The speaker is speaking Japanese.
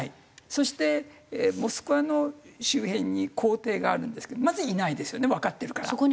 そしてモスクワの周辺に公邸があるんですけどまずいないですよねわかってるから。